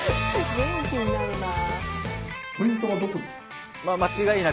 元気になるなぁ。